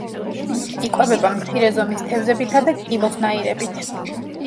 იკვებება მცირე ზომის თევზებითა და კიბოსნაირებით.